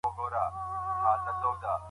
یوازې د هغو تعقیب وکړئ چې لاره یې سمه ده.